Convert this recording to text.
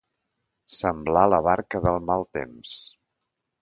Semblar la barca del mal temps.